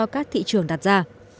các thị trường đặt ra